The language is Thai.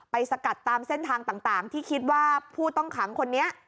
สกัดตามเส้นทางต่างที่คิดว่าผู้ต้องขังคนนี้